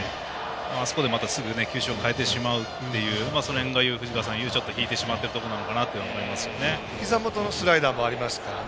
あそこで、すぐ球種を変えてしまうのが藤川さんが言う引いてしまってるところかなとひざ元のスライダーもありますからね。